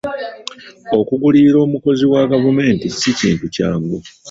Okugulirira omukozi wa gavumenti si kintu kyangu.